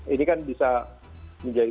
ini kan bisa menjadi